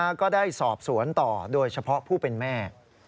แล้วก็ได้สอบสวนต่อโดยเฉพาะผู้เป็นแม่